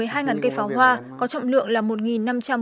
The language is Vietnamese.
một mươi hai cây pháo hoa có trọng lượng là